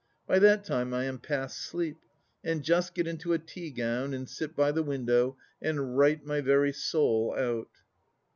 By that time I am past sleep, and just get into a tea gown and sit by the window and write my very soul out.